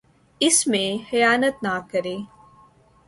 اس میں خیانت نہ کرے